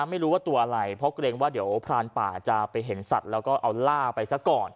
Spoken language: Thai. ไม่รู้ว่าตัวอะไรเพราะเกรงว่าเดี๋ยวพรานป่าจะไปเห็นสัตว์แล้วก็เอาล่าไปซะก่อน